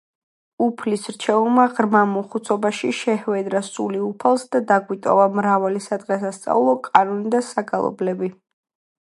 უფლის რჩეულმა ღრმა მოხუცებულობაში შეჰვედრა სული უფალს და დაგვიტოვა მრავალი სადღესასწაულო კანონი და საგალობლები.